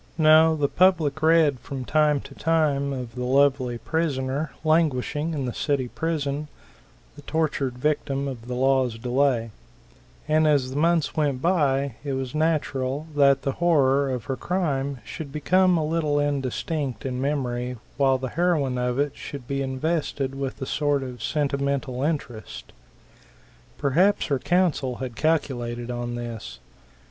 No, the public read from time to time of the lovely prisoner, languishing in the city prison, the tortured victim of the law's delay; and as the months went by it was natural that the horror of her crime should become a little indistinct in memory, while the heroine of it should be invested with a sort of sentimental interest. Perhaps her counsel had calculated on this.